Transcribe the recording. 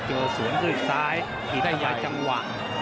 โหเจอสวนขึ้นซ้ายอีกได้ยายจังหวะ